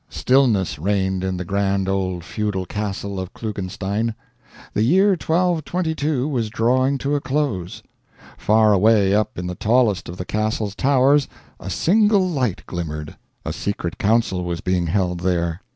Stillness reigned in the grand old feudal castle of Klugenstein. The year 1222 was drawing to a close. Far away up in the tallest of the castle's towers a single light glimmered. A secret council was being held there.